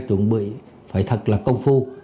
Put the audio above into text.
chúng tôi đang chuẩn bị phải thật là công phu